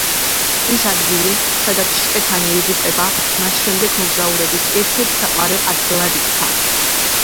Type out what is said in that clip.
ის ადგილი, სადაც შტეფანი იღუპება, მას შემდეგ მოგზაურების ერთ-ერთ საყვარელ ადგილად იქცა.